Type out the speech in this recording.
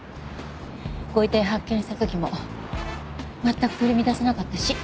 ご遺体発見した時も全く取り乱さなかったし。